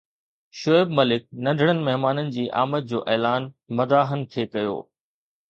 شعيب ملڪ ننڍڙن مهمانن جي آمد جو اعلان مداحن کي ڪيو